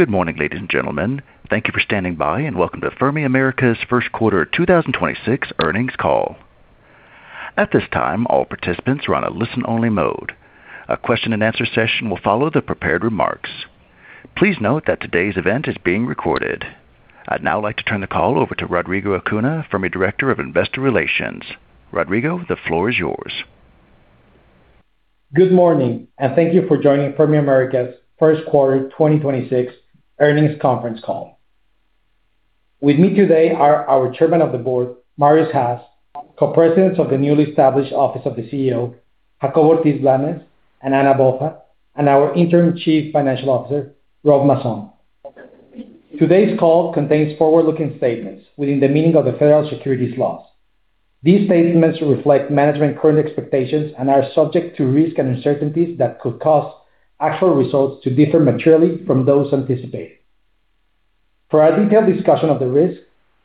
Good morning, ladies and gentlemen. Thank you for standing by, and welcome to Fermi America's first quarter 2026 earnings call. At this time, all participants are on a listen-only mode. A question-and-answer session will follow the prepared remarks. Please note that today's event is being recorded. I'd now like to turn the call over to Rodrigo Acuna, Fermi Director of Investor Relations. Rodrigo, the floor is yours. Good morning. Thank you for joining Fermi America's first quarter 2026 earnings conference call. With me today are our Chairman of the Board, Marius Haas, Co-Presidents of the newly established Office of the CEO, Jacobo Ortiz Blanes and Anna Bofa, and our Interim Chief Financial Officer, Rob Masson. Today's call contains forward-looking statements within the meaning of the federal securities laws. These statements reflect management's current expectations and are subject to risks and uncertainties that could cause actual results to differ materially from those anticipated. For our detailed discussion of the risks,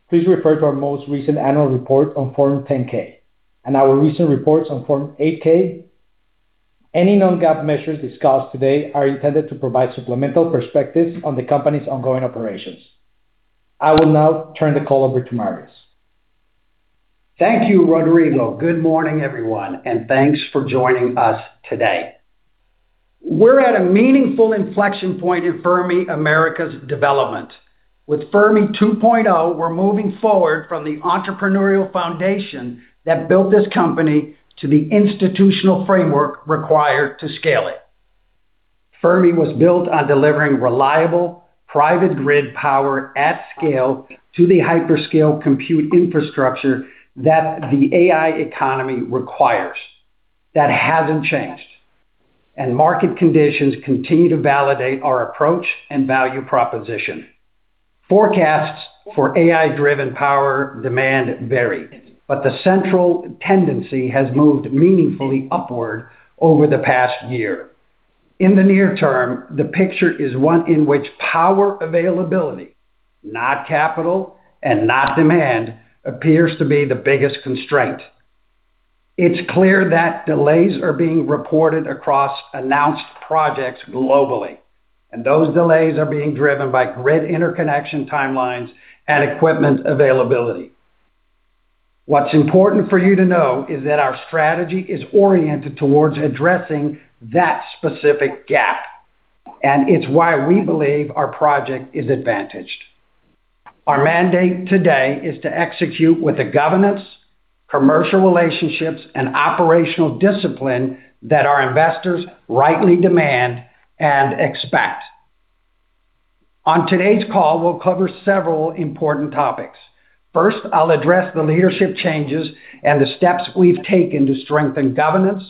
please refer to our most recent annual report on Form 10-K and our recent reports on Form 8-K. Any non-GAAP measures discussed today are intended to provide supplemental perspectives on the company's ongoing operations. I will now turn the call over to Marius. Thank you, Rodrigo. Good morning, everyone, and thanks for joining us today. We're at a meaningful inflection point in Fermi America's development. With Fermi 2.0, we're moving forward from the entrepreneurial foundation that built this company to the institutional framework required to scale it. Fermi was built on delivering reliable private grid power at scale to the hyperscale compute infrastructure that the AI economy requires. That hasn't changed. Market conditions continue to validate our approach and value proposition. Forecasts for AI-driven power demand vary, but the central tendency has moved meaningfully upward over the past year. In the near term, the picture is one in which power availability, not capital and not demand, appears to be the biggest constraint. It's clear that delays are being reported across announced projects globally, and those delays are being driven by grid interconnection timelines and equipment availability. What's important for you to know is that our strategy is oriented towards addressing that specific gap, and it's why we believe our project is advantaged. Our mandate today is to execute with the governance, commercial relationships, and operational discipline that our investors rightly demand and expect. On today's call, we'll cover several important topics. First, I'll address the leadership changes and the steps we've taken to strengthen governance,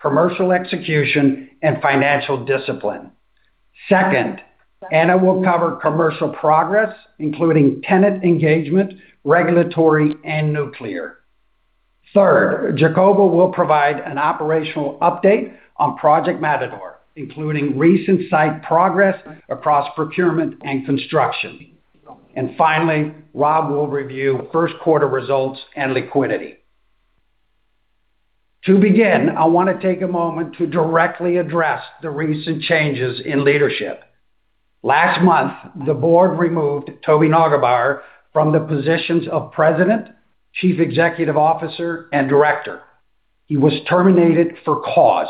commercial execution, and financial discipline. Second, Anna will cover commercial progress, including tenant engagement, regulatory, and nuclear. Third, Jacobo will provide an operational update on Project Matador, including recent site progress across procurement and construction. Finally, Rob will review first quarter results and liquidity. To begin, I want to take a moment to directly address the recent changes in leadership. Last month, the Board removed Toby Neugebauer from the positions of President, Chief Executive Officer, and Director. He was terminated for cause.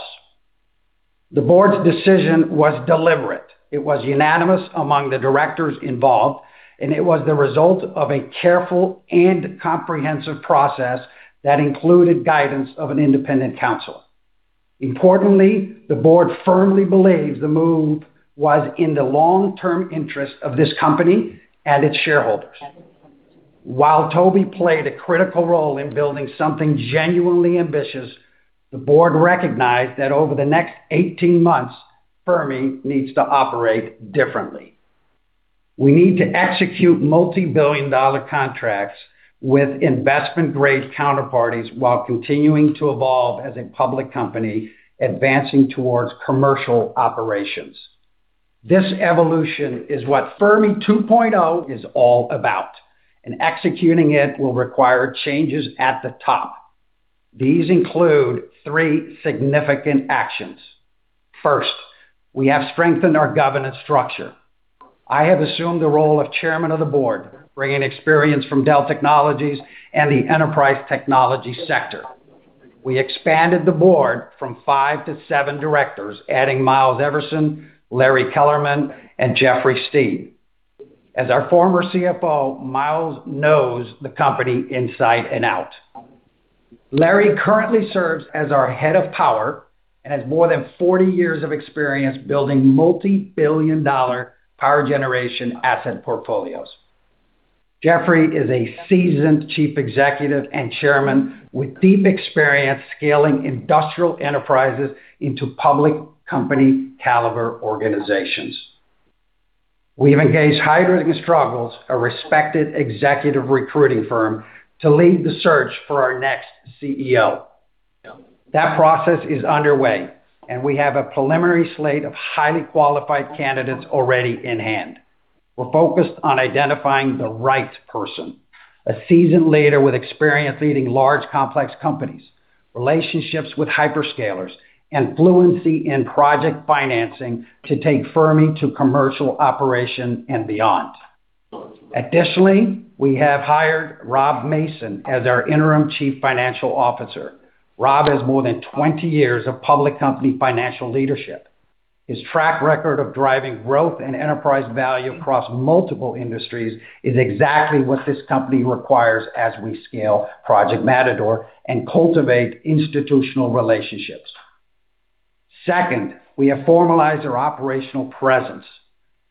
The Board's decision was deliberate. It was unanimous among the directors involved. It was the result of a careful and comprehensive process that included guidance of an independent counsel. Importantly, the Board firmly believes the move was in the long-term interest of this company and its shareholders. While Toby played a critical role in building something genuinely ambitious, the Board recognized that over the next 18 months, Fermi needs to operate differently. We need to execute multi-billion dollar contracts with investment-grade counterparties while continuing to evolve as a public company advancing towards commercial operations. This evolution is what Fermi 2.0 is all about and executing it will require changes at the top. These include three significant actions. First, we have strengthened our governance structure. I have assumed the role of Chairman of the Board, bringing experience from Dell Technologies and the enterprise technology sector. We expanded the Board from five to seven directors, adding Miles Everson, Larry Kellerman, and Jeffrey S. Stein. As our former CFO, Miles knows the company inside and out. Larry currently serves as our Head of Power and has more than 40 years of experience building multi-billion dollar power generation asset portfolios. Jeffrey is a seasoned chief executive and chairman with deep experience scaling industrial enterprises into public company caliber organizations. We've engaged Heidrick & Struggles, a respected executive recruiting firm, to lead the search for our next CEO, that process is underway, and we have a preliminary slate of highly qualified candidates already in hand. We're focused on identifying the right person, a seasoned leader with experience leading large, complex companies, relationships with hyperscalers, and fluency in project financing to take Fermi to commercial operation and beyond. Additionally, we have hired Rob Masson as our Interim Chief Financial Officer. Rob has more than 20 years of public company financial leadership. His track record of driving growth and enterprise value across multiple industries is exactly what this company requires as we scale Project Matador and cultivate institutional relationships. Second, we have formalized our operational presence.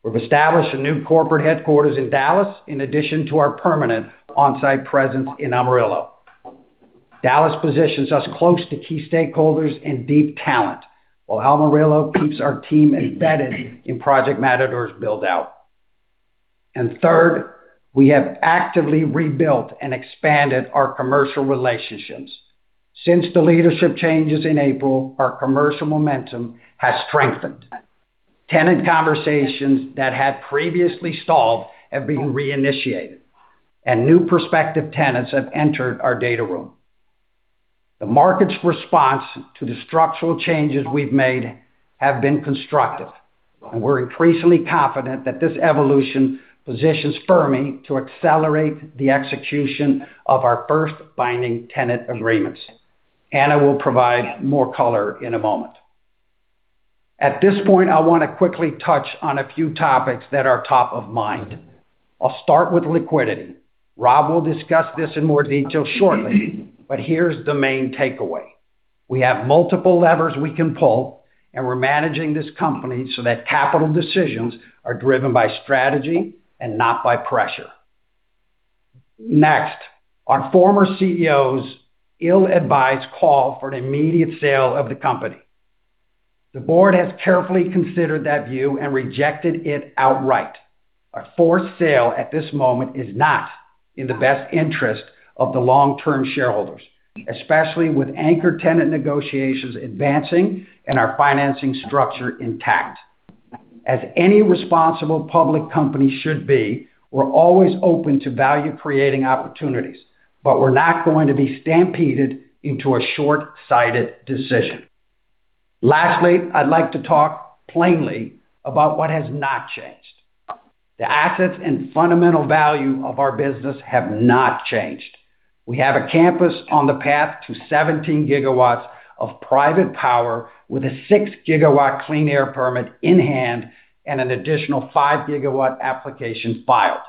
We've established a new corporate headquarters in Dallas in addition to our permanent on-site presence in Amarillo. Dallas positions us close to key stakeholders and deep talent, while Amarillo keeps our team embedded in Project Matador's build-out. Third, we have actively rebuilt and expanded our commercial relationships. Since the leadership changes in April, our commercial momentum has strengthened. Tenant conversations that had previously stalled have been reinitiated, and new prospective tenants have entered our data room. The market's response to the structural changes we've made have been constructive, and we're increasingly confident that this evolution positions Fermi to accelerate the execution of our first binding tenant agreements. Anna will provide more color in a moment. At this point, I want to quickly touch on a few topics that are top of mind. I'll start with liquidity. Rob will discuss this in more detail shortly, but here's the main takeaway. We have multiple levers we can pull, and we're managing this company so that capital decisions are driven by strategy and not by pressure. Next, our former CEO's ill-advised call for an immediate sale of the company. The Board has carefully considered that view and rejected it outright. A forced sale at this moment is not in the best interest of the long-term shareholders, especially with anchor tenant negotiations advancing and our financing structure intact. As any responsible public company should be, we're always open to value-creating opportunities, but we're not going to be stampeded into a short-sighted decision. Lastly, I'd like to talk plainly about what has not changed. The assets and fundamental value of our business have not changed. We have a campus on the path to 17 GW of private power with a 6 GW clean air permit in hand and an additional 5 GW application filed.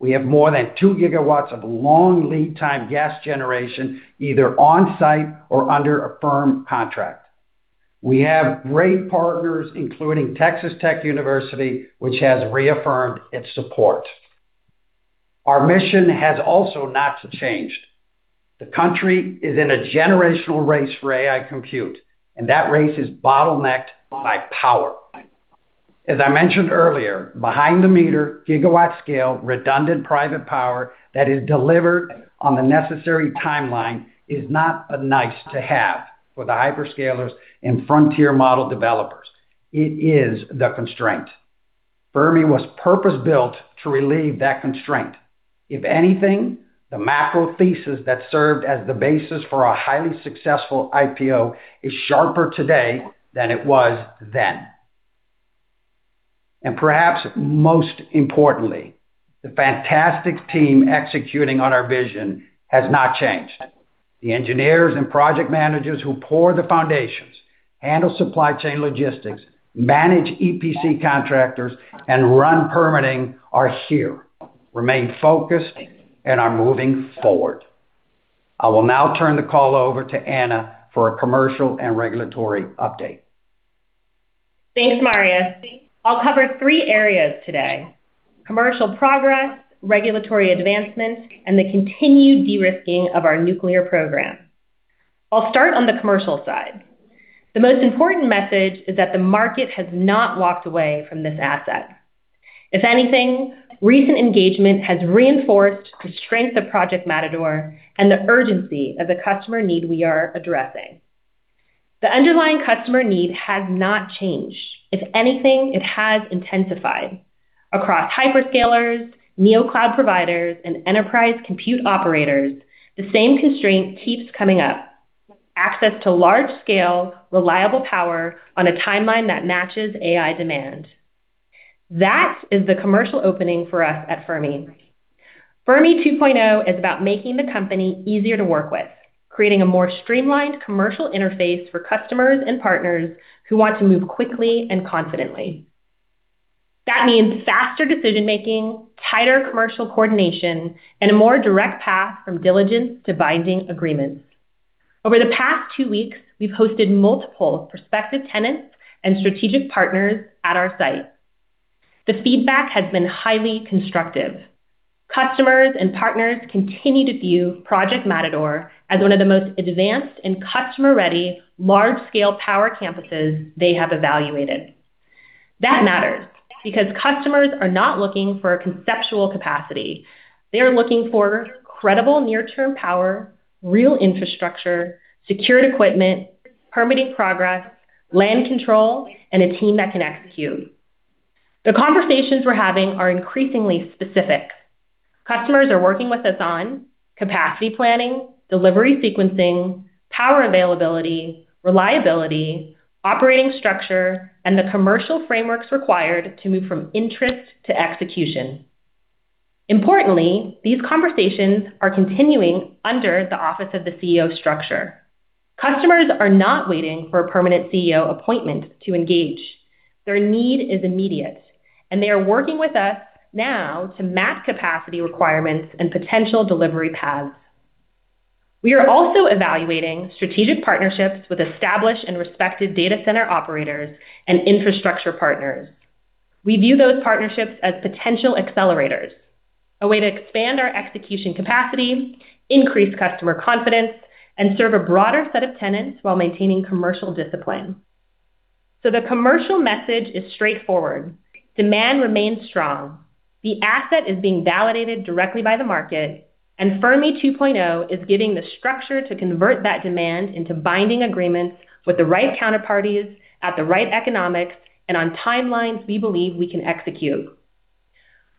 We have more than 2 GW of long lead time gas generation, either on-site or under a firm contract. We have great partners, including Texas Tech University, which has reaffirmed its support. Our mission has also not changed. The country is in a generational race for AI compute, and that race is bottlenecked by power. As I mentioned earlier, behind the meter, gigawatt scale, redundant private power that is delivered on the necessary timeline is not a nice-to-have for the hyperscalers and frontier model developers. It is the constraint. Fermi was purpose-built to relieve that constraint. If anything, the macro thesis that served as the basis for our highly successful IPO is sharper today than it was then. Perhaps most importantly, the fantastic team executing on our vision has not changed. The engineers and project managers who pour the foundations, handle supply chain logistics, manage EPC contractors, and run permitting are here, remain focused, and are moving forward. I will now turn the call over to Anna for a commercial and regulatory update. Thanks, Marius. I'll cover three areas today: commercial progress, regulatory advancements, and the continued de-risking of our nuclear program. I'll start on the commercial side. The most important message is that the market has not walked away from this asset. If anything, recent engagement has reinforced the strength of Project Matador and the urgency of the customer need we are addressing. The underlying customer need has not changed. If anything, it has intensified. Across hyperscalers, neo-cloud providers, and enterprise compute operators, the same constraint keeps coming up. Access to large-scale, reliable power on a timeline that matches AI demand. That is the commercial opening for us at Fermi. Fermi 2.0 is about making the company easier to work with, creating a more streamlined commercial interface for customers and partners who want to move quickly and confidently. That means faster decision-making, tighter commercial coordination, and a more direct path from diligence to binding agreements. Over the past two weeks, we've hosted multiple prospective tenants and strategic partners at our site. The feedback has been highly constructive. Customers and partners continue to view Project Matador as one of the most advanced and customer-ready large-scale power campuses they have evaluated. That matters because customers are not looking for a conceptual capacity, they are looking for credible near-term power, real infrastructure, secured equipment, permitting progress, land control, and a team that can execute. The conversations we're having are increasingly specific. Customers are working with us on capacity planning, delivery sequencing, power availability, reliability, operating structure, and the commercial frameworks required to move from interest to execution. Importantly, these conversations are continuing under the office of the CEO structure. Customers are not waiting for a permanent CEO appointment to engage. Their need is immediate. They are working with us now to match capacity requirements and potential delivery paths. We are also evaluating strategic partnerships with established and respected data center operators and infrastructure partners. We view those partnerships as potential accelerators, a way to expand our execution capacity, increase customer confidence, and serve a broader set of tenants while maintaining commercial discipline. The commercial message is straightforward. Demand remains strong. The asset is being validated directly by the market and Fermi 2.0 is giving the structure to convert that demand into binding agreements with the right counterparties at the right economics and on timelines we believe we can execute.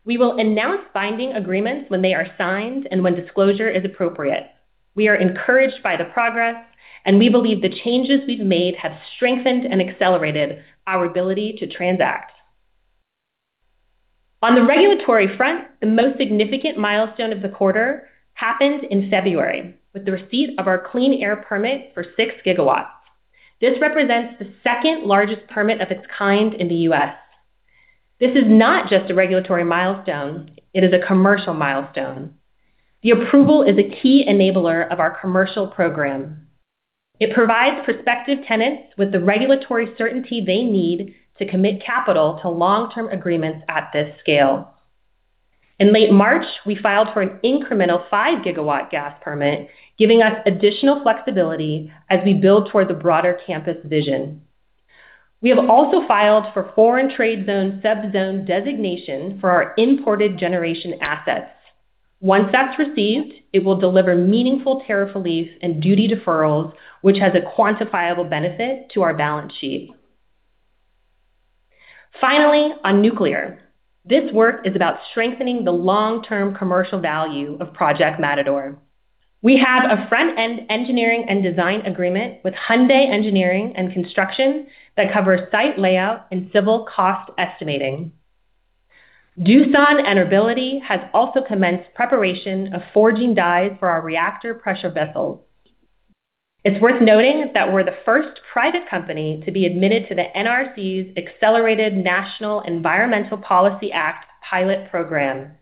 We will announce binding agreements when they are signed and when disclosure is appropriate. We are encouraged by the progress. We believe the changes we've made have strengthened and accelerated our ability to transact. On the regulatory front, the most significant milestone of the quarter happened in February with the receipt of our clean air permit for 6 gigawatts. This represents the second-largest permit of its kind in the U.S. This is not just a regulatory milestone; it is a commercial milestone. The approval is a key enabler of our commercial program. It provides prospective tenants with the regulatory certainty they need to commit capital to long-term agreements at this scale. In late March, we filed for an incremental 5 GW gas permit, giving us additional flexibility as we build toward the broader campus vision. We have also filed for foreign trade zone subzone designation for our imported generation assets. Once that's received, it will deliver meaningful tariff relief and duty deferrals, which has a quantifiable benefit to our balance sheet. Finally, on nuclear. This work is about strengthening the long-term commercial value of Project Matador. We have a front-end engineering and design agreement with Hyundai Engineering & Construction that covers site layout and civil cost estimating. Doosan Enerbility has also commenced preparation of forging dies for our reactor pressure vessels. It's worth noting that we're the first private company to be admitted to the NRC's Accelerated National Environmental Policy Act pilot program.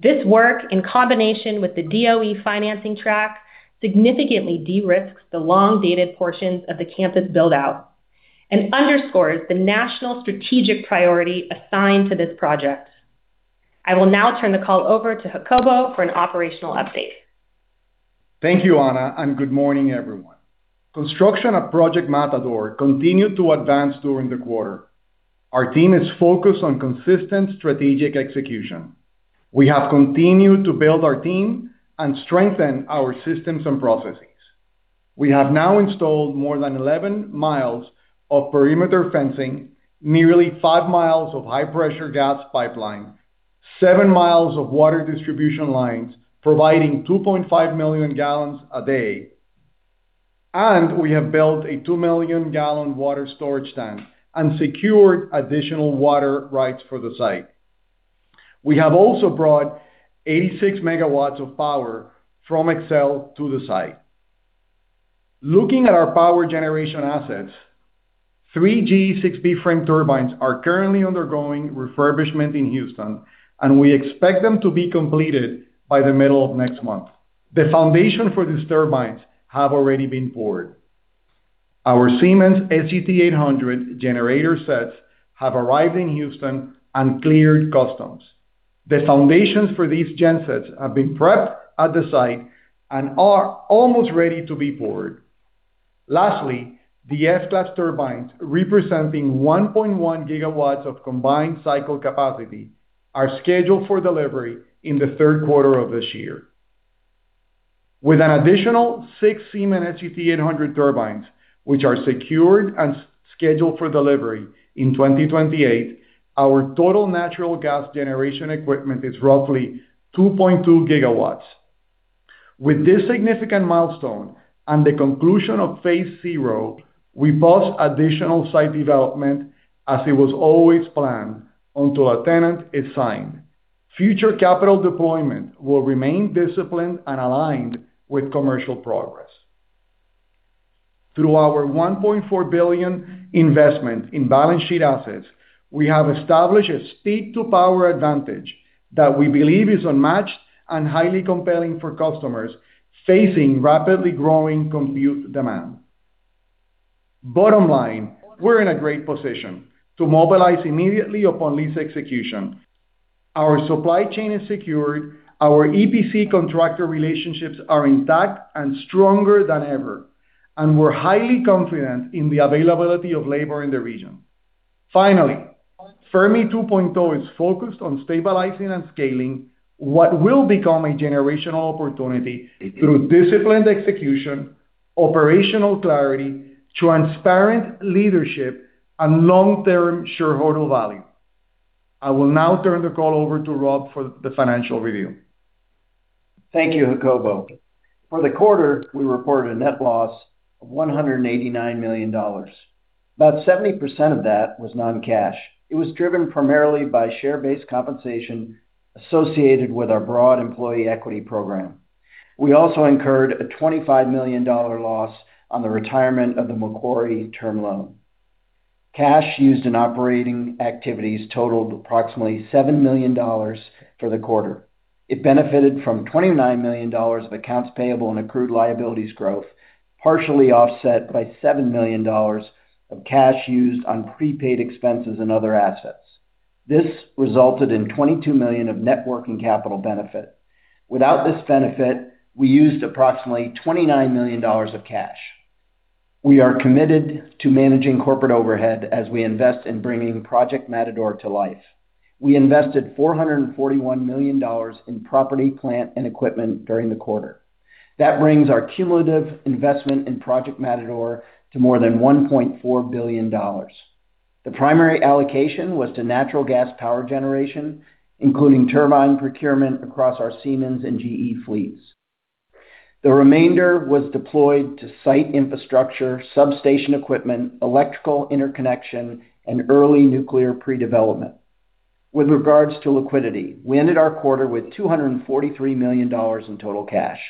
This work, in combination with the DOE financing track, significantly de-risks the long-dated portions of the campus build-out and underscores the national strategic priority assigned to this project. I will now turn the call over to Jacobo for an operational update. Thank you, Anna, and good morning, everyone. Construction of Project Matador continued to advance during the quarter. Our team is focused on consistent strategic execution. We have continued to build our team and strengthen our systems and processes. We have now installed more than 11 mi of perimeter fencing, nearly 5 mi of high-pressure gas pipeline, 7 mi of water distribution lines, providing 2.5 million gal a day, we have built a 2 million gal water storage tank and secured additional water rights for the site. We have also brought 86 MW of power from Xcel to the site. Looking at our power generation assets, three GE 6B frame turbines are currently undergoing refurbishment in Houston, and we expect them to be completed by the middle of next month. The foundation for these turbines have already been poured. Our Siemens SGT-800 generator sets have arrived in Houston and cleared customs. The foundations for these gen sets have been prepped at the site and are almost ready to be poured. Lastly, the S-class turbines, representing 1.1 GW of combined cycle capacity, are scheduled for delivery in the third quarter of this year. With an additional six Siemens SGT-800 turbines, which are secured and scheduled for delivery in 2028, our total natural gas generation equipment is roughly 2.2 GW. With this significant milestone and the conclusion of Phase 0, we pause additional site development as it was always planned until a tenant is signed. Future capital deployment will remain disciplined and aligned with commercial progress. Through our $1.4 billion investment in balance sheet assets, we have established a speed to power advantage that we believe is unmatched and highly compelling for customers facing rapidly growing compute demand. Bottom line, we're in a great position to mobilize immediately upon lease execution. Our supply chain is secured, our EPC contractor relationships are intact and stronger than ever, and we're highly confident in the availability of labor in the region. Finally, Fermi 2.0 is focused on stabilizing and scaling what will become a generational opportunity through disciplined execution, operational clarity, transparent leadership, and long-term shareholder value. I will now turn the call over to Rob for the financial review. Thank you, Jacobo. For the quarter, we reported a net loss of $189 million. About 70% of that was non-cash. It was driven primarily by share-based compensation associated with our broad employee equity program. We also incurred a $25 million loss on the retirement of the Macquarie term loan. Cash used in operating activities totaled approximately $7 million for the quarter. It benefited from $29 million of accounts payable and accrued liabilities growth, partially offset by $7 million of cash used on prepaid expenses and other assets. This resulted in $22 million of net working capital benefit. Without this benefit, we used approximately $29 million of cash. We are committed to managing corporate overhead as we invest in bringing Project Matador to life. We invested $441 million in property, plant, and equipment during the quarter. That brings our cumulative investment in Project Matador to more than $1.4 billion. The primary allocation was to natural gas power generation, including turbine procurement across our Siemens and GE fleets. The remainder was deployed to site infrastructure, substation equipment, electrical interconnection, and early nuclear pre-development. With regards to liquidity, we ended our quarter with $243 million in total cash.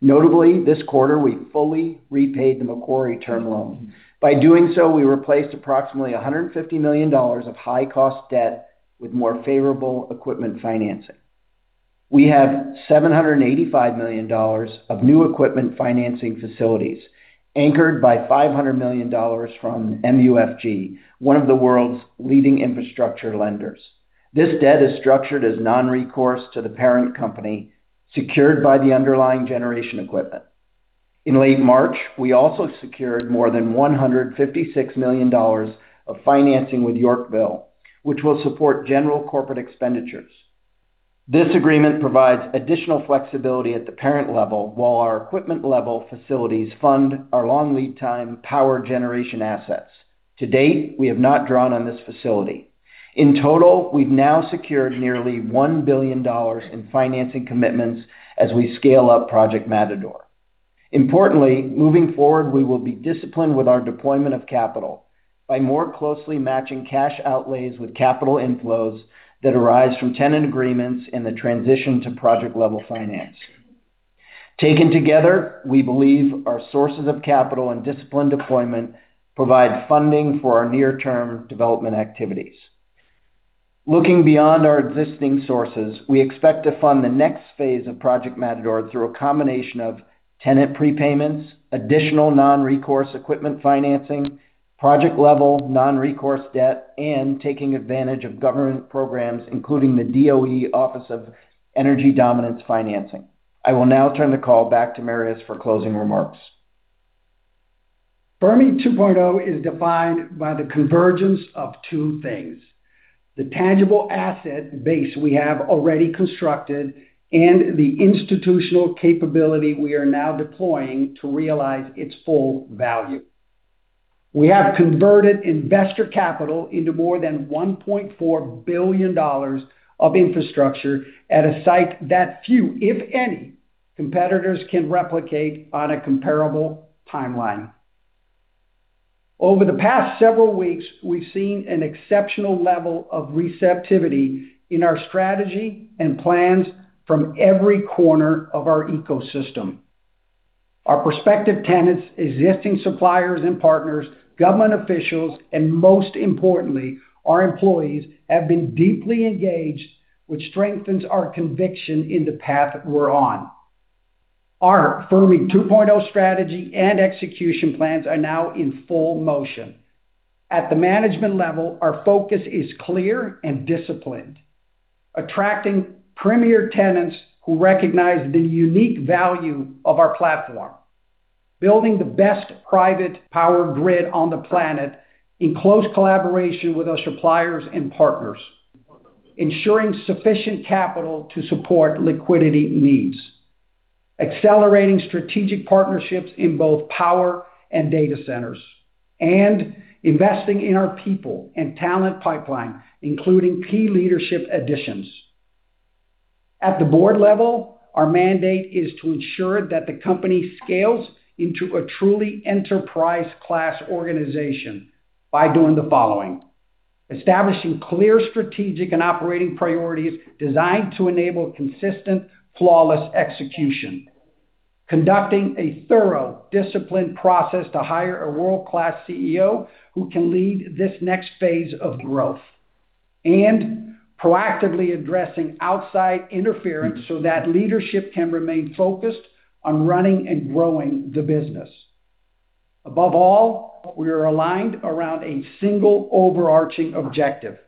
Notably, this quarter, we fully repaid the Macquarie term loan. By doing so, we replaced approximately $150 million of high-cost debt with more favorable equipment financing. We have $785 million of new equipment financing facilities anchored by $500 million from MUFG, one of the world's leading infrastructure lenders. This debt is structured as non-recourse to the parent company, secured by the underlying generation equipment. In late March, we also secured more than $156 million of financing with Yorkville, which will support general corporate expenditures. This agreement provides additional flexibility at the parent level while our equipment-level facilities fund our long lead time power generation assets. To date, we have not drawn on this facility. In total, we've now secured nearly $1 billion in financing commitments as we scale up Project Matador. Importantly, moving forward, we will be disciplined with our deployment of capital by more closely matching cash outlays with capital inflows that arise from tenant agreements in the transition to project-level financing. Taken together, we believe our sources of capital and disciplined deployment provide funding for our near-term development activities. Looking beyond our existing sources, we expect to fund the next phase of Project Matador through a combination of tenant prepayments, additional non-recourse equipment financing, project-level non-recourse debt, and taking advantage of government programs, including the DOE, Office of Energy Dominance Financing. I will now turn the call back to Marius for closing remarks. Fermi 2.0 is defined by the convergence of two things: the tangible asset base we have already constructed and the institutional capability we are now deploying to realize its full value. We have converted investor capital into more than $1.4 billion of infrastructure at a site that few, if any, competitors can replicate on a comparable timeline. Over the past several weeks, we've seen an exceptional level of receptivity in our strategy and plans from every corner of our ecosystem. Our prospective tenants, existing suppliers and partners, government officials, and most importantly, our employees, have been deeply engaged, which strengthens our conviction in the path we're on. Our Fermi 2.0 strategy and execution plans are now in full motion. At the management level, our focus is clear and disciplined: attracting premier tenants who recognize the unique value of our platform, building the best private power grid on the planet in close collaboration with our suppliers and partners, ensuring sufficient capital to support liquidity needs, accelerating strategic partnerships in both power and data centers, and investing in our people and talent pipeline, including key leadership additions. At the Board level, our mandate is to ensure that the company scales into a truly enterprise class organization by doing the following: establishing clear strategic and operating priorities designed to enable consistent, flawless execution, conducting a thorough, disciplined process to hire a world-class CEO who can lead this next phase of growth, and proactively addressing outside interference so that leadership can remain focused on running and growing the business. Above all, we are aligned around a single overarching objective: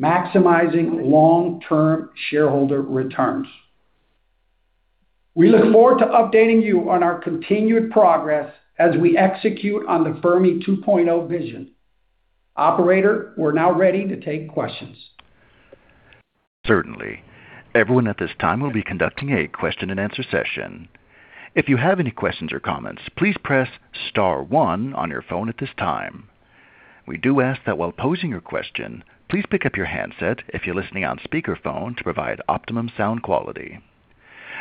maximizing long-term shareholder returns. We look forward to updating you on our continued progress as we execute on the Fermi 2.0 vision. Operator, we're now ready to take questions. Certainly. Everyone at this time will be conducting a question-and-answer session. If you have any questions or comments, please press star one on your phone at this time. We do ask that while posing your question, please pick up your handset if you're listening on speakerphone to provide optimum sound quality.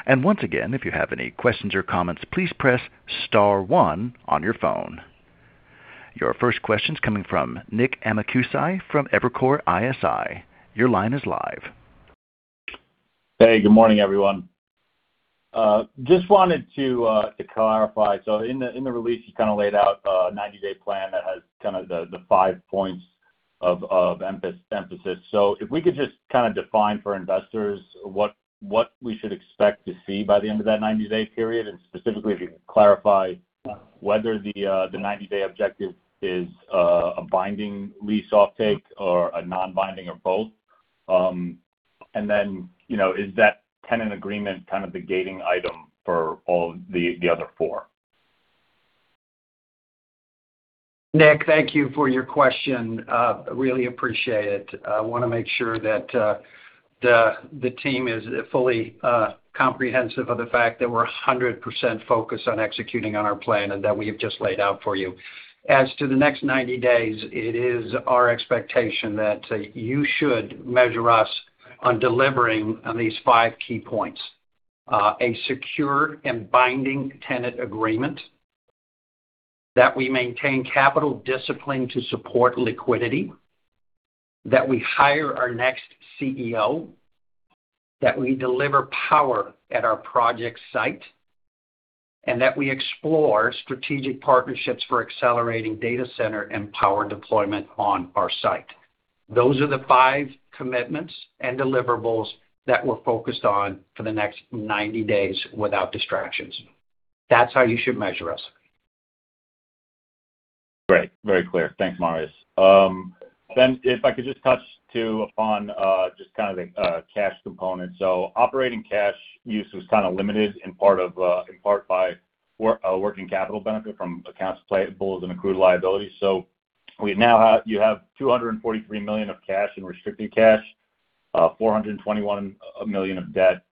Once again, if you have any questions or comments, please press star one on your phone. Your first question's coming from Nick Amicucci from Evercore ISI. Your line is live. Hey, good morning, everyone. Just wanted to clarify. In the release, you kind of laid out a 90-day plan that has kind of the five points of emphasis. If we could just kind of define for investors what we should expect to see by the end of that 90-day period. Specifically, if you could clarify whether the 90-day objective is a binding lease offtake or a non-binding or both and then, you know, is that tenant agreement kind of the gating item for all the other four? Nick, thank you for your question. Really appreciate it. I want to make sure that the team is fully comprehensive of the fact that we're 100% focused on executing on our plan and that we have just laid out for you. As to the next 90 days, it is our expectation that you should measure us on delivering on these five key points. A secure and binding tenant agreement, that we maintain capital discipline to support liquidity, that we hire our next CEO, that we deliver power at our project site and that we explore strategic partnerships for accelerating data center and power deployment on our site. Those are the five commitments and deliverables that we're focused on for the next 90 days without distractions. That's how you should measure us. Great. Very clear. Thanks, Marius. If I could just touch too upon just kind of the cash component. Operating cash use was kind of limited in part of in part by working capital benefit from accounts payables and accrued liabilities. You have $243 million of cash in restricted cash, $421 million of debt,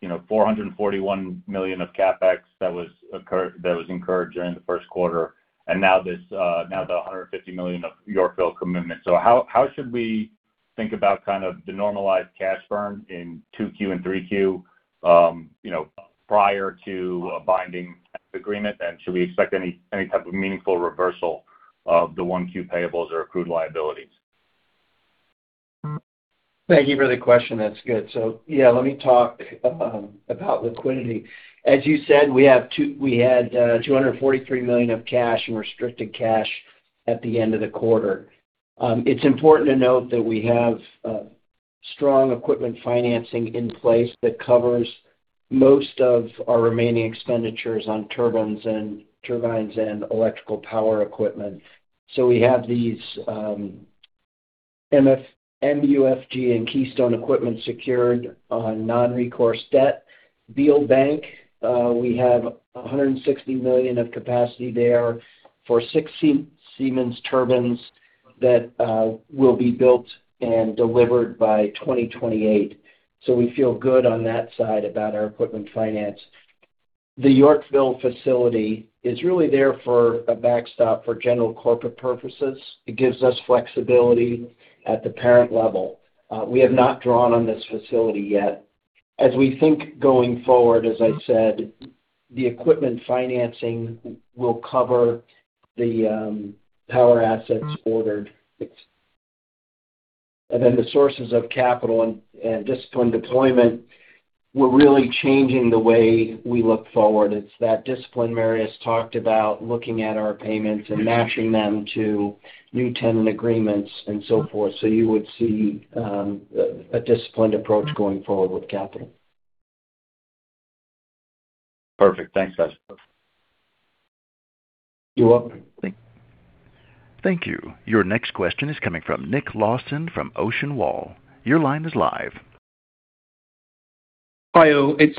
you know, $441 million of CapEx that was incurred during the first quarter, and now this $150 million of Yorkville commitment. How should we think about kind of the normalized cash burn in 2Q and 3Q, you know, prior to a binding agreement? Should we expect any type of meaningful reversal of the 1Q payables or accrued liabilities? Thank you for the question. That's good. Let me talk about liquidity. As you said, we had $243 million of cash in restricted cash at the end of the quarter. It's important to note that we have strong equipment financing in place that covers most of our remaining expenditures on turbines and electrical power equipment. We have these MUFG and Keystone Equipment secured on non-recourse debt. Beal Bank, we have $160 million of capacity there for six Siemens turbines that will be built and delivered by 2028 so we feel good on that side about our equipment finance. The Yorkville facility is really there for a backstop for general corporate purposes, it gives us flexibility at the parent level. We have not drawn on this facility yet. As we think going forward, as I said, the equipment financing will cover the power assets ordered. The sources of capital and disciplined deployment, we're really changing the way we look forward. It's that discipline Marius talked about, looking at our payments and matching them to new tenant agreements and so forth. You would see a disciplined approach going forward with capital. Perfect. Thanks, guys. You're welcome. Thank you. Your next question is coming from Nick Lawson from Ocean Wall. Your line is live. Hi all, it's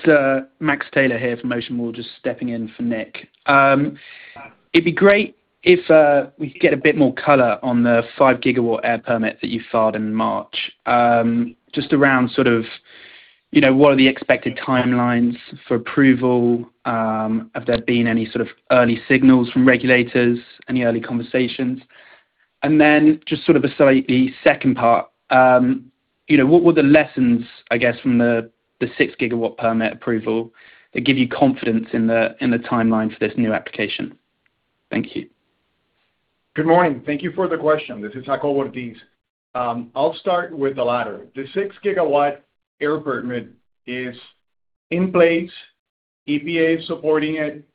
Max Taylor here from Ocean Wall, just stepping in for Nick. It'd be great if we could get a bit more color on the 5 GW air permit that you filed in March. Just around sort of, you know, what are the expected timelines for approval? Have there been any sort of early signals from regulators? Any early conversations? Just sort of a slightly second part, you know, what were the lessons, I guess, from the 6 GW permit approval that give you confidence in the timeline for this new application? Thank you. Good morning. Thank you for the question. This is Jacobo Ortiz. I'll start with the latter. The 6 GW air permit is in place. EPA is supporting it,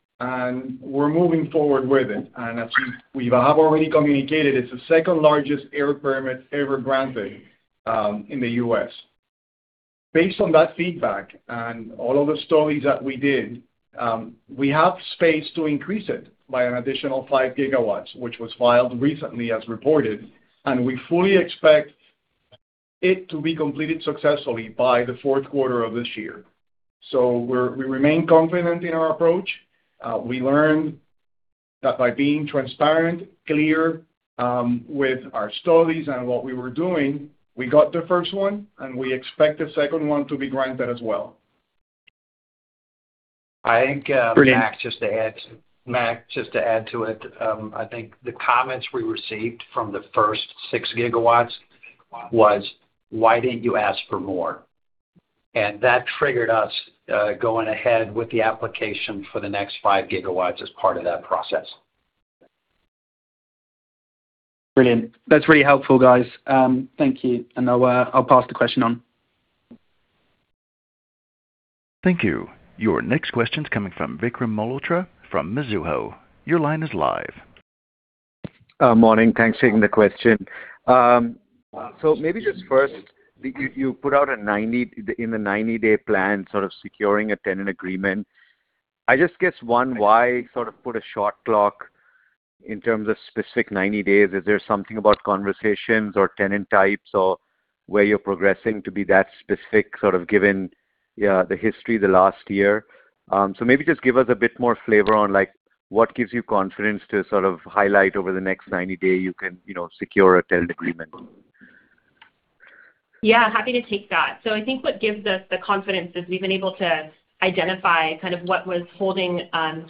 we're moving forward with it. As we have already communicated, it's the second-largest air permit ever granted in the U.S. Based on that feedback and all of the studies that we did, we have space to increase it by an additional 5 GW, which was filed recently as reported, and we fully expect it to be completed successfully by Q4 of this year. We remain confident in our approach. We learned that by being transparent, clear, with our studies and what we were doing, we got the first one, and we expect a second one to be granted as well. I think, uh- Brilliant. Max, just to add to it, I think the comments we received from the first 6 GW was, "Why didn't you ask for more?" That triggered us, going ahead with the application for the next 5 GW as part of that process. Brilliant. That's really helpful, guys. Thank you, and I'll pass the question on. Thank you. Your next question's coming from Vikram Malhotra from Mizuho. Your line is live. Morning. Thanks for taking the question. Maybe just first, you put out a 90-day plan, sort of securing a tenant agreement. I just guess, one, why sort of put a short clock in terms of specific 90 days? Is there something about conversations or tenant types or where you're progressing to be that specific sort of given the history the last year? Maybe just give us a bit more flavor on, like, what gives you confidence to sort of highlight over the next 90-day you can, you know, secure a tenant agreement? Yeah, happy to take that. I think what gives us the confidence is we've been able to identify kind of what was holding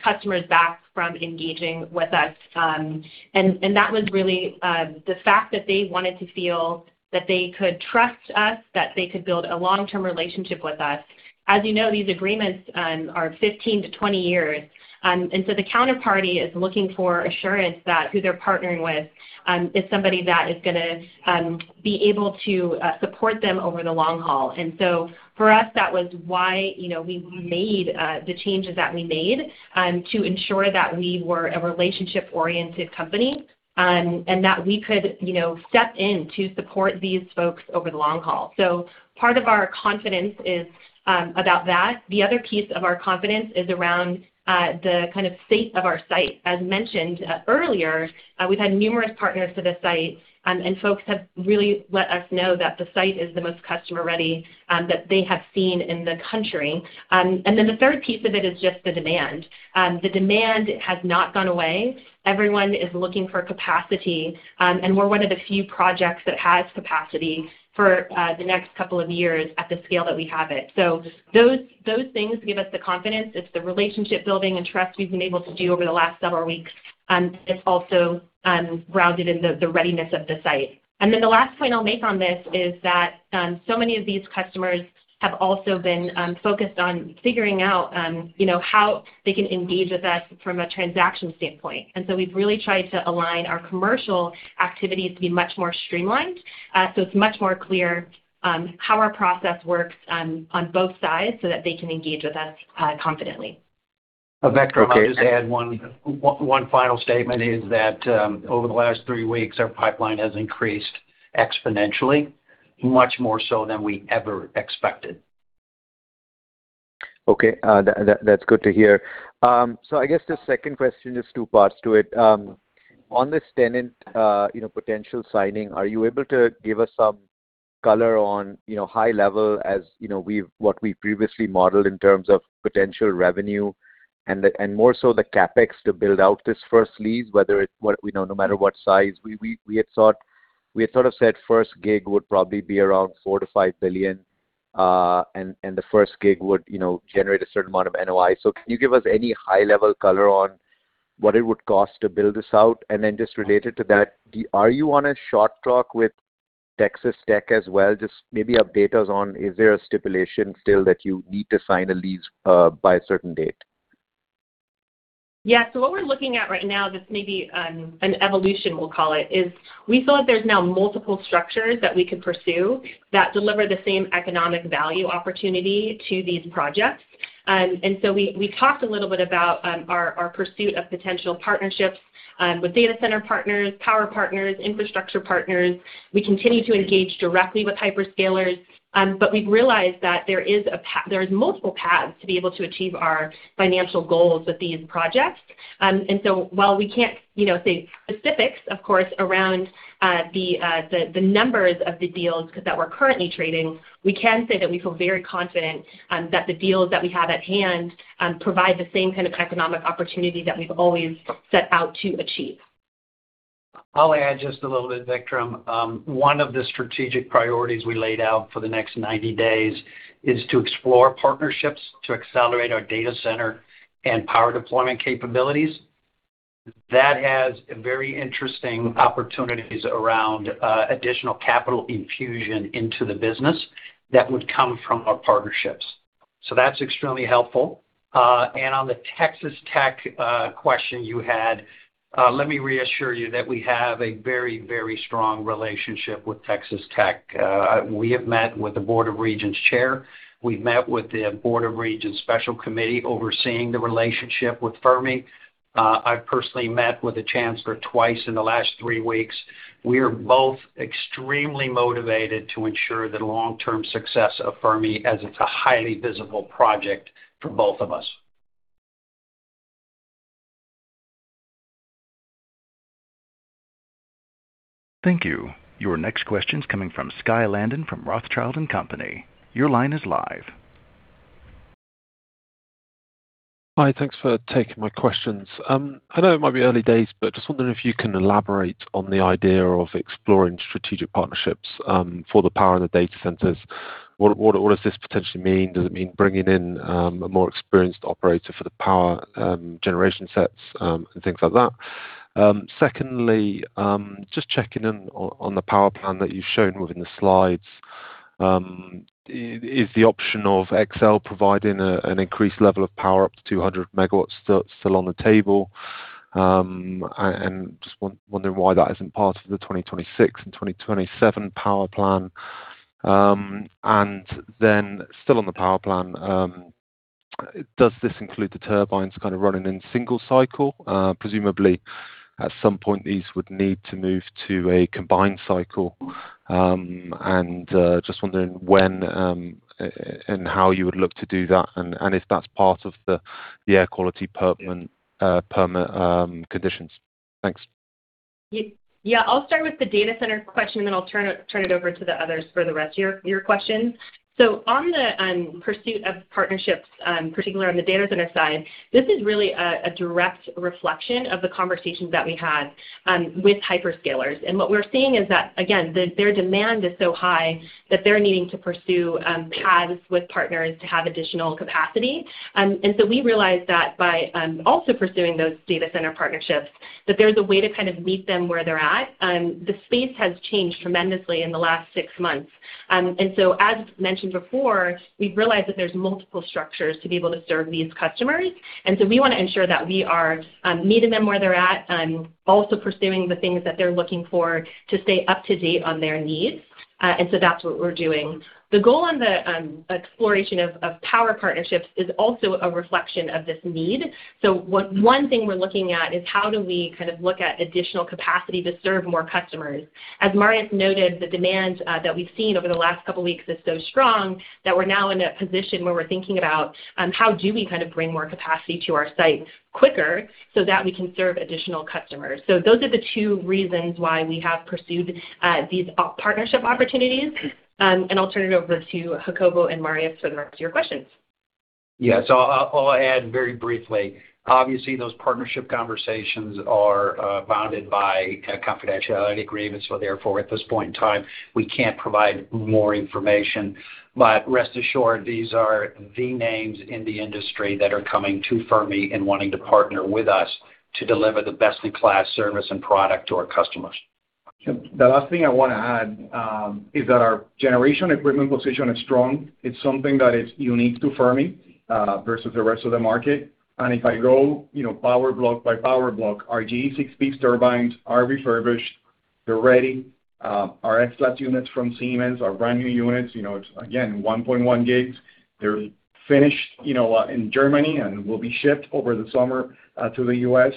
customers back from engaging with us. That was really the fact that they wanted to feel that they could trust us, that they could build a long-term relationship with us. As you know, these agreements are 15-20 years. The counterparty is looking for assurance that who they're partnering with is somebody that is gonna be able to support them over the long haul. For us, that was why, you know, we made the changes that we made to ensure that we were a relationship-oriented company, and that we could, you know, step in to support these folks over the long haul, so part of our confidence is about that. The other piece of our confidence is around the kind of state of our site. As mentioned earlier, we've had numerous partners to the site, and folks have really let us know that the site is the most customer-ready that they have seen in the country. The third piece of it is just the demand. The demand has not gone away. Everyone is looking for capacity, and we're one of the few projects that has capacity for the next couple of years at the scale that we have it. Those things give us the confidence. It's the relationship building and trust we've been able to do over the last several weeks and it's also grounded in the readiness of the site. The last point I'll make on this is that so many of these customers have also been focused on figuring out, you know, how they can engage with us from a transaction standpoint. We've really tried to align our commercial activities to be much more streamlined. It's much more clear how our process works on both sides so that they can engage with us confidently. Vikram, I'll just add one final statement is that, over the last three weeks, our pipeline has increased exponentially, much more so than we ever expected. That's good to hear. I guess the second question, there's two parts to it. On this tenant, you know, potential signing, are you able to give us some color on, you know, high level as, you know, what we previously modeled in terms of potential revenue and the, and more so the CapEx to build out this first lease, whether it what we know, no matter what size, we had thought, we had sort of said first gig would probably be around $4 billion-$5 billion, and the first gig would, you know, generate a certain amount of NOI. Can you give us any high-level color on what it would cost to build this out? Just related to that, are you on a short talk with Texas Tech as well? Just maybe update us on, is there a stipulation still that you need to sign a lease by a certain date? Yeah. What we're looking at right now, this may be an evolution, we'll call it, is we feel like there's now multiple structures that we could pursue that deliver the same economic value opportunity to these projects. We talked a little bit about our pursuit of potential partnerships with data center partners, power partners, infrastructure partners. We continue to engage directly with hyperscalers but we've realized that there is multiple paths to be able to achieve our financial goals with these projects. While we can't, you know, say specifics, of course, around the numbers of the deals that we're currently trading, we can say that we feel very confident that the deals that we have at hand provide the same kind of economic opportunity that we've always set out to achieve. I'll add just a little bit, Vikram. One of the strategic priorities we laid out for the next 90 days is to explore partnerships to accelerate our data center and power deployment capabilities. That has very interesting opportunities around additional capital infusion into the business that would come from our partnerships so that's extremely helpful. On the Texas Tech question you had, let me reassure you that we have a very, very strong relationship with Texas Tech. We have met with the Board of Regents Chair. We've met with the Board of Regents Special Committee overseeing the relationship with Fermi. I've personally met with the Chancellor twice in the last three weeks. We're both extremely motivated to ensure the long-term success of Fermi, as it's a highly visible project for both of us. Thank you. Your next question is coming from Skye Landon from Rothschild & Co. Your line is live. Hi. Thanks for taking my questions. I know it might be early days, but just wondering if you can elaborate on the idea of exploring strategic partnerships for the power in the data centers. What, what does this potentially mean? Does it mean bringing in a more experienced operator for the power generation sets and things like that? Secondly, just checking in on the power plan that you've shown within the slides. Is the option of Xcel providing an increased level of power up to 200 MW still on the table? Just wondering why that isn't part of the 2026 and 2027 power plan. Still on the power plan, does this include the turbines kind of running in single cycle? Presumably at some point these would need to move to a combined cycle. Just wondering when, and how you would look to do that and, if that's part of the air quality permit conditions? Thanks. Yeah, I'll start with the data center question and then I'll turn it over to the others for the rest of your questions. On the pursuit of partnerships, particularly on the data center side, this is really a direct reflection of the conversations that we had with hyperscalers. What we're seeing is that, again, their demand is so high that they're needing to pursue paths with partners to have additional capacity. We realized that by also pursuing those data center partnerships, that there's a way to kind of meet them where they're at. The space has changed tremendously in the last six months. As mentioned before, we've realized that there's multiple structures to be able to serve these customers, and so we wanna ensure that we are meeting them where they're at, also pursuing the things that they're looking for to stay up-to-date on their needs and so that's what we're doing. The goal on the exploration of power partnerships is also a reflection of this need. One thing we're looking at is how do we kind of look at additional capacity to serve more customers. As Marius noted, the demand that we've seen over the last couple weeks is so strong that we're now in a position where we're thinking about how do we kind of bring more capacity to our sites quicker so that we can serve additional customers. Those are the two reasons why we have pursued, these partnership opportunities. I'll turn it over to Jacobo and Marius for the rest of your questions. Yes. I'll add very briefly. Obviously, those partnership conversations are bounded by confidentiality agreements. Therefore, at this point in time, we can't provide more information. Rest assured, these are the names in the industry that are coming to Fermi and wanting to partner with us to deliver the best-in-class service and product to our customers. The last thing I wanna add is that our generation equipment position is strong. It's something that is unique to Fermi versus the rest of the market. If I go, you know, power block by power block, our GE 6B turbines are refurbished, they're ready. Our S-class units from Siemens are brand-new units. You know, it's again, 1.1 G. They're finished, you know, in Germany and will be shipped over the summer to the U.S.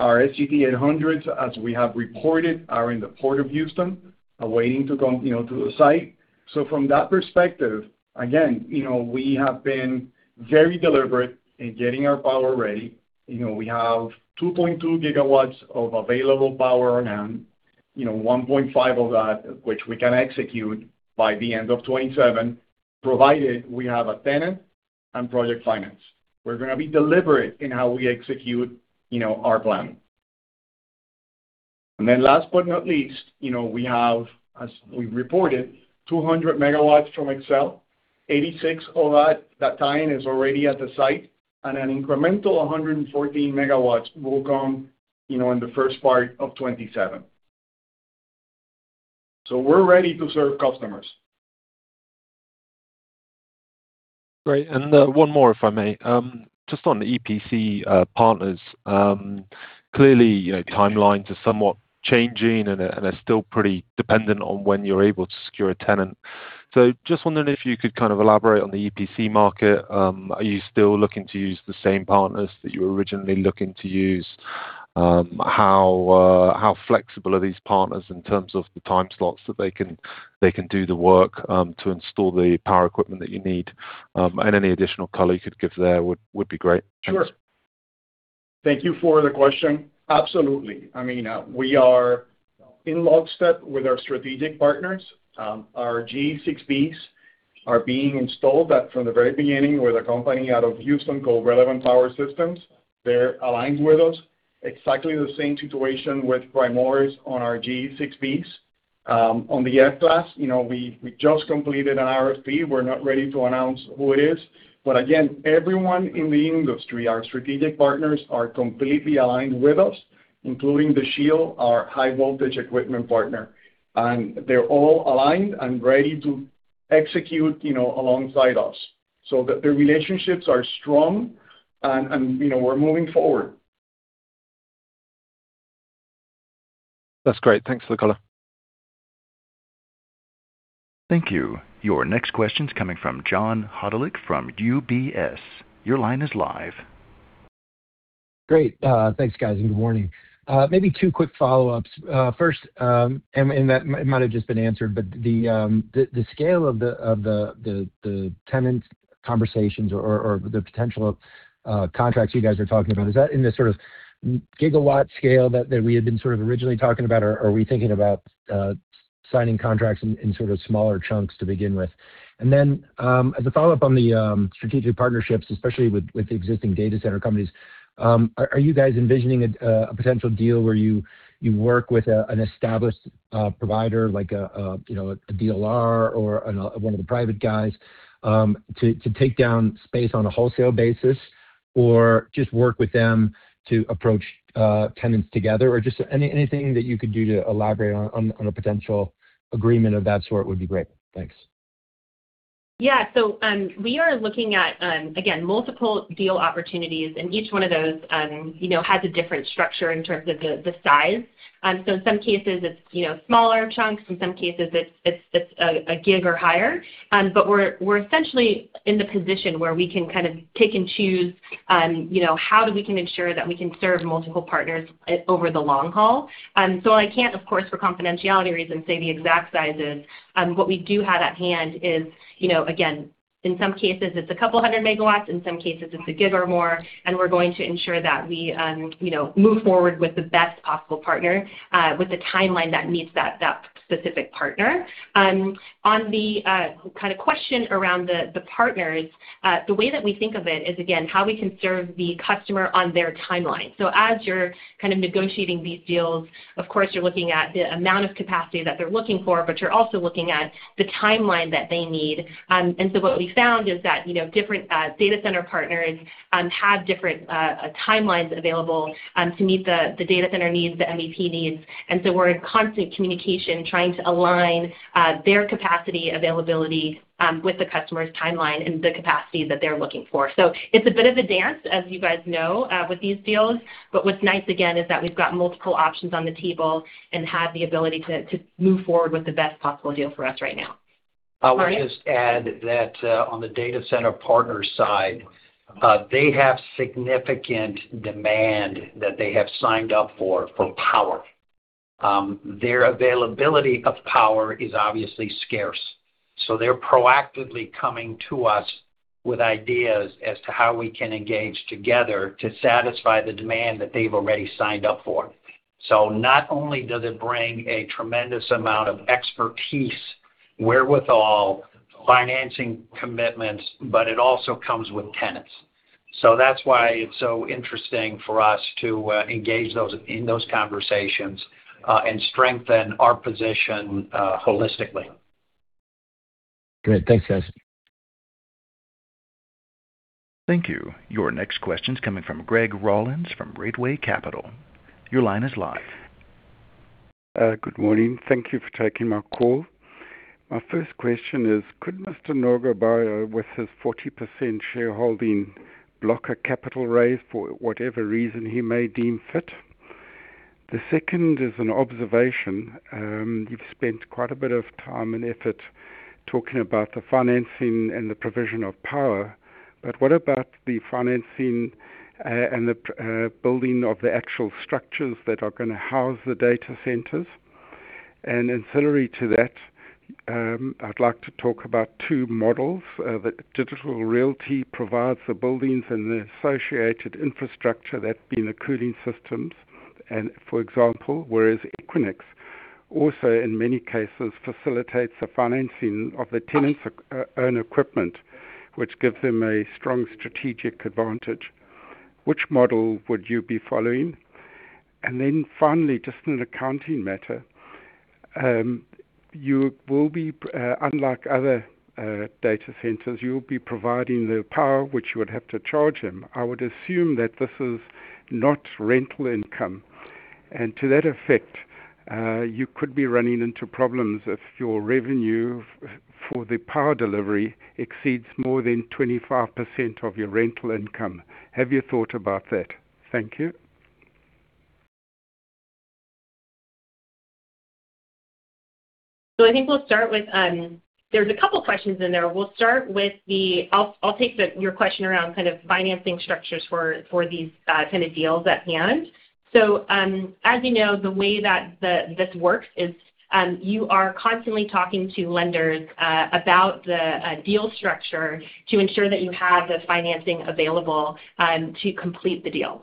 Our SGT-800s, as we have reported, are in the Port of Houston, are waiting to come, you know, to the site. From that perspective, again, you know, we have been very deliberate in getting our power ready. You know, we have 2.2 GW of available power now. You know, 1.5 GW of that which we can execute by the end of 2027, provided we have a tenant and project finance. We're gonna be deliberate in how we execute, you know, our plan. Last but not least, you know, we have, as we've reported, 200 MW from Xcel. 86 MW of that tie-in is already at the site, and an incremental 114 MW will come, you know, in the first part of 2027. We're ready to serve customers. Great. One more, if I may. Just on the EPC partners, clearly, you know, timelines are somewhat changing and they're still pretty dependent on when you're able to secure a tenant. Just wondering if you could kind of elaborate on the EPC market. Are you still looking to use the same partners that you were originally looking to use? How flexible are these partners in terms of the time slots that they can do the work to install the power equipment that you need? Any additional color you could give there would be great. Thanks. Sure. Thank you for the question. Absolutely. I mean, we are in lockstep with our strategic partners. Our GE 6Bs are being installed at, from the very beginning, with a company out of Houston called Relevant Power Solutions. They're aligned with us. Exactly the same situation with Primoris on our GE 6Bs. On the S-class, you know, we just completed an RFP. We're not ready to announce who it is. Again, everyone in the industry, our strategic partners, are completely aligned with us, including Dashiell, our high voltage equipment partner. They're all aligned and ready to execute, you know, alongside us. The relationships are strong, and, you know, we're moving forward. That's great. Thanks for the color. Thank you. Your next question is coming from John Hodulik from UBS. Your line is live. Great. Thanks guys, and good morning. Maybe two quick follow-ups. First, that might have just been answered. The scale of the tenant conversations or the potential contracts you guys are talking about, is that in this sort of gigawatt scale that we had been sort of originally talking about or are we thinking about signing contracts in sort of smaller chunks to begin with? As a follow-up on the strategic partnerships, especially with the existing data center companies, are you guys envisioning a potential deal where you work with an established provider like a, you know, a DLR or one of the private guys to take down space on a wholesale basis or just work with them to approach tenants together? Anything that you could do to elaborate on a potential agreement of that sort would be great. Thanks. We are looking at, again, multiple deal opportunities, and each one of those, you know, has a different structure in terms of the size. In some cases it's, you know, smaller chunks. In some cases it's a gig or higher. We're essentially in the position where we can kind of pick and choose, you know, how we can ensure that we can serve multiple partners over the long haul. I can't, of course, for confidentiality reasons, say the exact sizes. What we do have at hand is, you know, again, in some cases it's a couple hundred megawatts, in some cases it's 1 G or more, and we're going to ensure that we, you know, move forward with the best possible partner, with the timeline that meets that specific partner. On the kind of question around the partners, the way that we think of it is, again, how we can serve the customer on their timeline. As you're kind of negotiating these deals, of course, you're looking at the amount of capacity that they're looking for, but you're also looking at the timeline that they need. What we found is that, you know, different data center partners have different timelines available to meet the data center needs, the MEP needs. We're in constant communication trying to align their capacity availability with the customer's timeline and the capacity that they're looking for. It's a bit of a dance, as you guys know, with these deals. What's nice, again, is that we've got multiple options on the table and have the ability to move forward with the best possible deal for us right now. I would just add that on the data center partner side, they have significant demand that they have signed up for power. Their availability of power is obviously scarce, so they're proactively coming to us with ideas as to how we can engage together to satisfy the demand that they've already signed up for. Not only does it bring a tremendous amount of expertise, wherewithal, financing commitments, but it also comes with tenants. That's why it's so interesting for us to engage in those conversations and strengthen our position holistically. Great. Thanks, guys. Thank you. Your next question's coming from Greg Rawlins from Reitway Capital. Your line is live. Good morning. Thank you for taking my call. My first question is, could Mr. Nogoba, with his 40% shareholding, block a capital raise for whatever reason he may deem fit? The second is an observation. You've spent quite a bit of time and effort talking about the financing and the provision of power, but what about the financing and the building of the actual structures that are gonna house the data centers? Ancillary to that, I'd like to talk about two models. The Digital Realty provides the buildings and the associated infrastructure, that being the cooling systems, for example. Whereas Equinix also, in many cases, facilitates the financing of the tenants' own equipment, which gives them a strong strategic advantage. Which model would you be following? Finally, just an accounting matter. Unlike other data centers, you'll be providing the power which you would have to charge them. I would assume that this is not rental income. To that effect, you could be running into problems if your revenue for the power delivery exceeds more than 25% of your rental income. Have you thought about that? Thank you. I think we'll start with Anna. There's a couple questions in there. I'll take your question around kind of financing structures for these tenant deals at hand. As you know, the way that this works is, you are constantly talking to lenders about the deal structure to ensure that you have the financing available to complete the deal.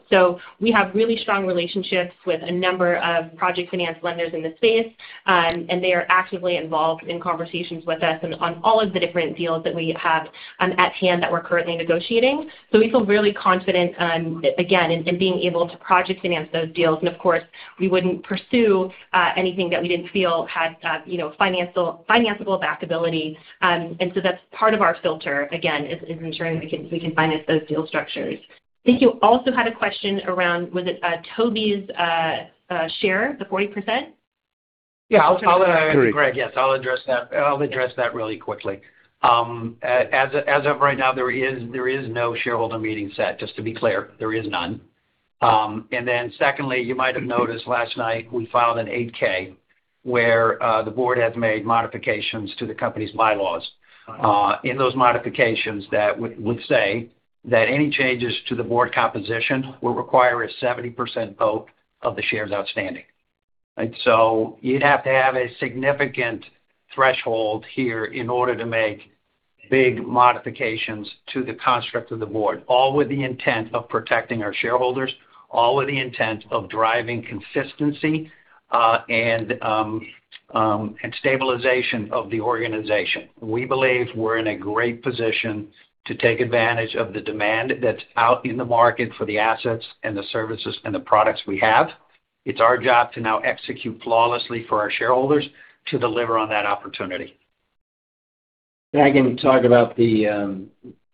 We have really strong relationships with a number of project finance lenders in the space, and they are actively involved in conversations with us and on all of the different deals that we have at hand that we're currently negotiating. We feel really confident again, in being able to project finance those deals. Of course, we wouldn't pursue anything that we didn't feel had, you know, financeable bankability and so that's part of our filter, again, is ensuring we can finance those deal structures. I think you also had a question around, was it Toby's share, the 40%? Yeah. I'll, Greg, yes, I'll address that. I'll address that really quickly. As of right now, there is no shareholder meeting set, just to be clear. There is none. Then secondly, you might have noticed last night we filed an 8-K where the Board has made modifications to the company's bylaws. In those modifications that would say that any changes to the Board composition will require a 70% vote of the shares outstanding. You'd have to have a significant threshold here in order to make big modifications to the construct of the Board, all with the intent of protecting our shareholders, all with the intent of driving consistency, and stabilization of the organization. We believe we're in a great position to take advantage of the demand that's out in the market for the assets and the services and the products we have. It's our job to now execute flawlessly for our shareholders to deliver on that opportunity. I can talk about the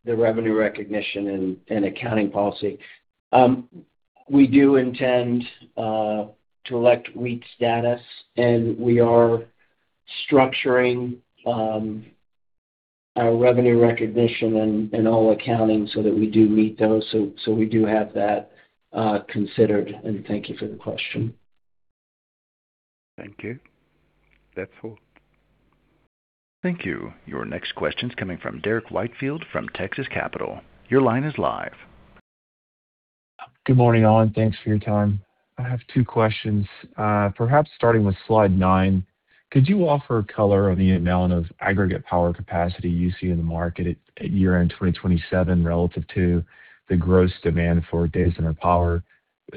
revenue recognition and accounting policy. We do intend to elect REIT status, and we are structuring our revenue recognition and all accounting so that we do meet those. We do have that considered, and thank you for the question. Thank you. That's all. Thank you. Your next question's coming from Derrick Whitfield from Texas Capital. Your line is live. Good morning, all. Thanks for your time. I have two questions. Perhaps starting with slide nine, could you offer color on the amount of aggregate power capacity you see in the market at year-end 2027 relative to the gross demand for data center power?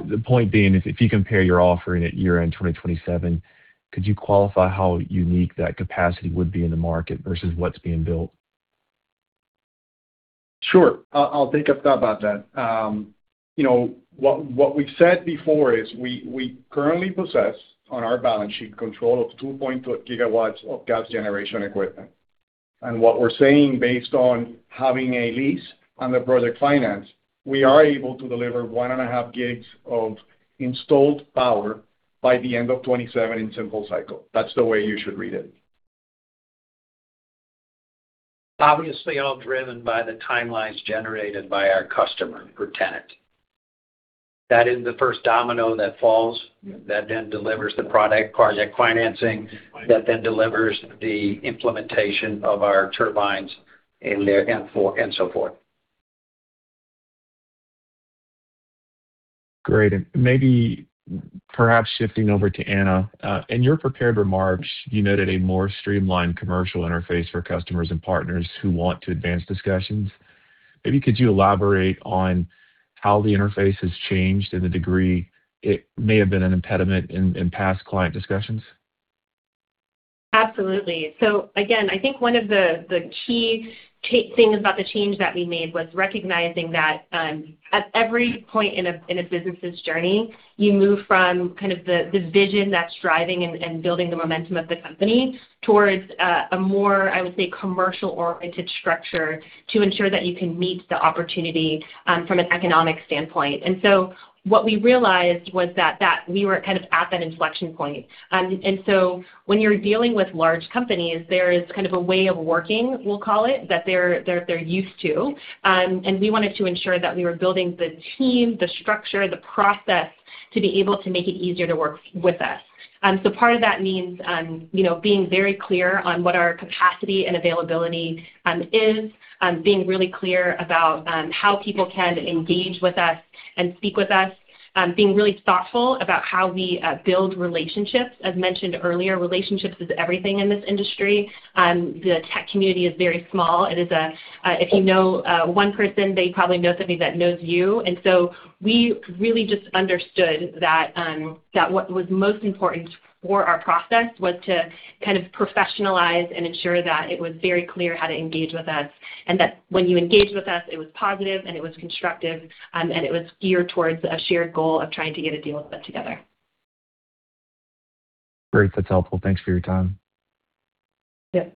The point being is if you compare your offering at year-end 2027, could you qualify how unique that capacity would be in the market versus what's being built? Sure. I'll take up that about that. You know, what we've said before is we currently possess on our balance sheet control of 2.0 GW of gas generation equipment. What we're saying based on having a lease on the project finance, we are able to deliver 1.5 GW of installed power by the end of 2027 in simple cycle. That's the way you should read it. Obviously, all driven by the timelines generated by our customer per tenant. That is the first domino that falls that then delivers the product, project financing, that then delivers the implementation of our turbines and so forth. Great. Maybe perhaps shifting over to Anna, in your prepared remarks, you noted a more streamlined commercial interface for customers and partners who want to advance discussions. Maybe could you elaborate on how the interface has changed and the degree it may have been an impediment in past client discussions? Absolutely. Again, I think one of the key things about the change that we made was recognizing that, at every point in a business' journey, you move from kind of the vision that's driving and building the momentum of the company towards a more, I would say, commercial-oriented structure to ensure that you can meet the opportunity from an economic standpoint. What we realized was that we were kind of at that inflection point. When you're dealing with large companies, there is kind of a way of working, we'll call it, that they're used to and we wanted to ensure that we were building the team, the structure, the process to be able to make it easier to work with us. Part of that means, you know, being very clear on what our capacity and availability is, being really clear about how people can engage with us and speak with us, being really thoughtful about how we build relationships. As mentioned earlier, relationships is everything in this industry. The tech community is very small. It is, if you know, one person, they probably know somebody that knows you. We really just understood that what was most important for our process was to kind of professionalize and ensure that it was very clear how to engage with us, and that when you engaged with us, it was positive, and it was constructive, and it was geared towards a shared goal of trying to get a deal put together. Great. That's helpful. Thanks for your time. Yep.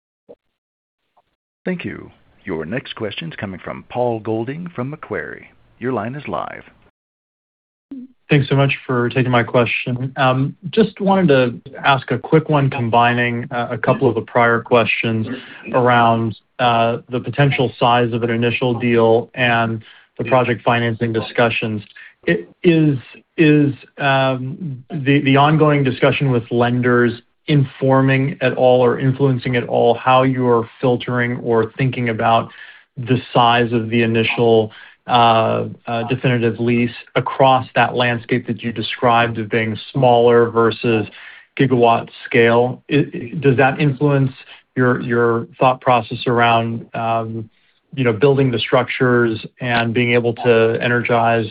Thank you. Your next question's coming from Paul Golding from Macquarie. Your line is live. Thanks so much for taking my question. Just wanted to ask a quick one combining a couple of the prior questions around the potential size of an initial deal and the project financing discussions. Is the ongoing discussion with lenders informing at all or influencing at all how you're filtering or thinking about the size of the initial definitive lease across that landscape that you described as being smaller versus gigawatt scale? Does that influence your thought process around, you know, building the structures and being able to energize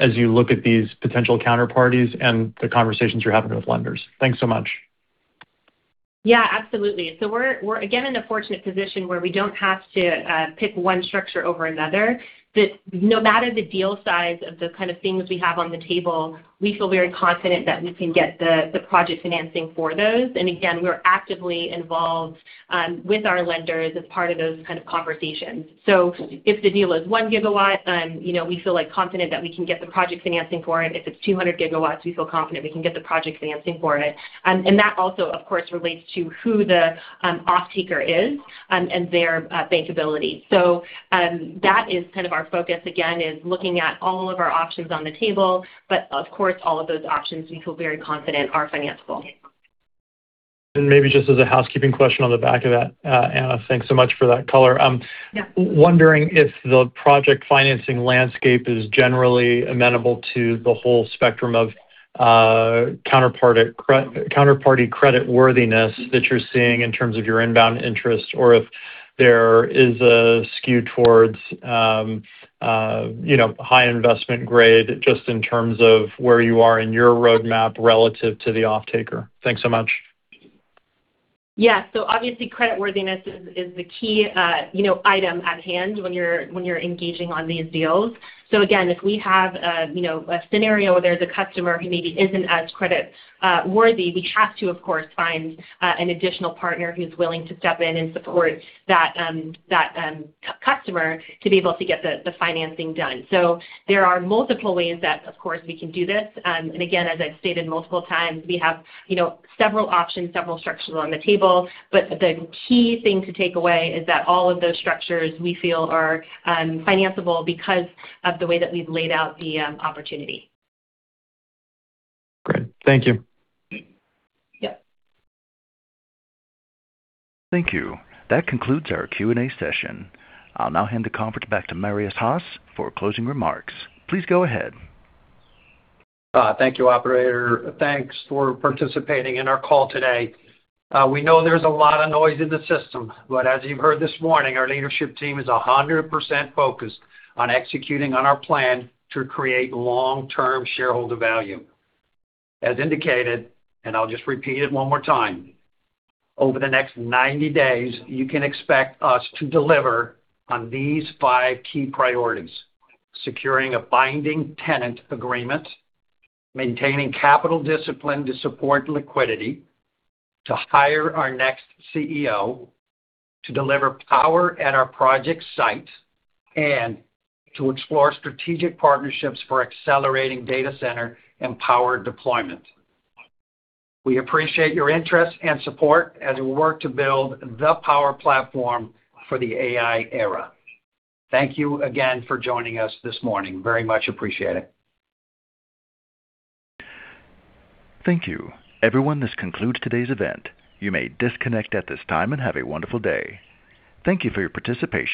as you look at these potential counterparties and the conversations you're having with lenders? Thanks so much. Yeah, absolutely. We're again in the fortunate position where we don't have to pick one structure over another. No matter the deal size of the kind of things we have on the table, we feel very confident that we can get the project financing for those. Again, we're actively involved with our lenders as part of those kind of conversations. If the deal is 1 GW, you know, we feel like confident that we can get the project financing for it. If it's 200 GW, we feel confident we can get the project financing for it. That also, of course, relates to who the off-taker is and their bankability. That is kind of our focus, again, is looking at all of our options on the table, but of course, all of those options we feel very confident are financeable. Maybe just as a housekeeping question on the back of that, Anna, thanks so much for that color. Yeah. Wondering if the project financing landscape is generally amenable to the whole spectrum of counterparty creditworthiness that you're seeing in terms of your inbound interest, or if there is a skew towards, you know, high investment grade just in terms of where you are in your roadmap relative to the offtaker? Thanks so much. Obviously, creditworthiness is the key, you know, item at hand when you're engaging on these deals. Again, if we have, you know, a scenario where there's a customer who maybe isn't as credit worthy, we have to, of course, find an additional partner who's willing to step in and support that customer to be able to get the financing done. There are multiple ways that, of course, we can do this. Again, as I've stated multiple times, we have, you know, several options, several structures on the table. The key thing to take away is that all of those structures we feel are financeable because of the way that we've laid out the opportunity. Great. Thank you. Yeah. Thank you. That concludes our Q&A session. I'll now hand the conference back to Marius Haas for closing remarks. Please go ahead. Thank you, operator. Thanks for participating in our call today. We know there's a lot of noise in the system, as you've heard this morning, our leadership team is 100% focused on executing on our plan to create long-term shareholder value. As indicated, I'll just repeat it 1 more time, over the next 90 days, you can expect us to deliver on these five key priorities: securing a binding tenant agreement, maintaining capital discipline to support liquidity, to hire our next CEO, to deliver power at our project site, and to explore strategic partnerships for accelerating data center and power deployment. We appreciate your interest and support as we work to build the power platform for the AI era. Thank you again for joining us this morning. Very much appreciate it. Thank you. Everyone, this concludes today's event. You may disconnect at this time, and have a wonderful day. Thank you for your participation.